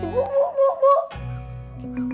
buk buk buk buk